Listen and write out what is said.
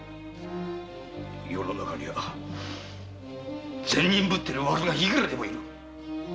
世の中にゃ善人ぶってるワルが幾らでもいる。